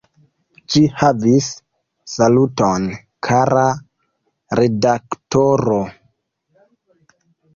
Ĝi havis saluton: "Kara redaktoro!